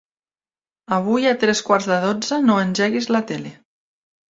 Avui a tres quarts de dotze no engeguis la tele.